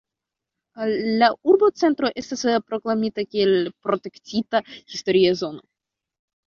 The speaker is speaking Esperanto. La urbocentro estas proklamita kiel protektita historia zono.